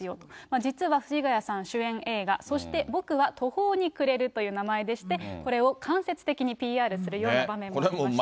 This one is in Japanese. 実は藤ヶ谷さん主演映画、そして僕は途方に暮れるという名前でして、これを間接的にＰＲいうような場面もありました。